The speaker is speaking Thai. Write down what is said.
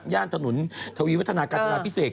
ย่านถนนทวีวัฒนาการจนาพิเศษ